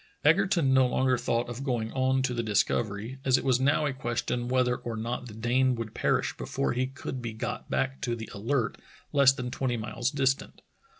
Egerton no longer thought of going on to the Discov ery, as it was now a question whether or not the Dane would perish before he could be got back to the Alert, less than twenty miles distant.